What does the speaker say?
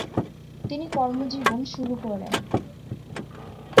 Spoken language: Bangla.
তিনি কর্মজীবন শুরু করেন।